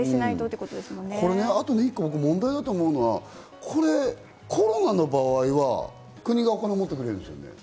あと１個、僕問題だと思うのはコロナの場合は国がお金を持ってくれるんですよね。